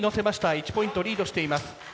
１ポイントリードしています。